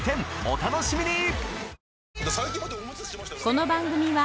お楽しみに！